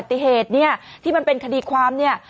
ปรากฏว่าสิ่งที่เกิดขึ้นคลิปนี้ฮะ